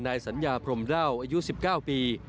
นายสัญญาพรหมด้าวอายุ๑๙ปี